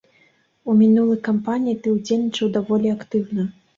У мінулай кампаніі ты ўдзельнічаў даволі актыўна.